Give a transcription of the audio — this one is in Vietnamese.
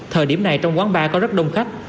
thời điểm này trong quán bar có rất đông khách